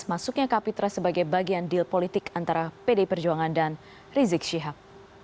masuknya kapitra sebagai bagian deal politik antara pdi perjuangan dan rizik syihab